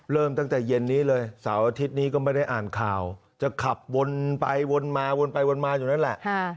เริ่มตั้งแต่เย็นนี้เลยเสาร์อาทิตย์นี้ก็ไม่ได้อ่านข่าวจะขับวนไปวนมาวนไปวนมาอยู่นั่นแหละ